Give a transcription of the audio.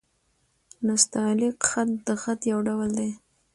نستعلیق خط؛ د خط يو ډول دﺉ.